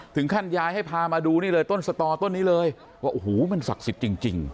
ถึงขั้นยายให้พามาดูนี่เลยต้นสตอต้นนี้เลยว่าโอ้โหมันศักดิ์สิทธิ์จริง